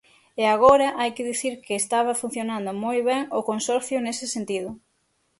E agora hai que dicir que estaba funcionando moi ben o Consorcio nese sentido.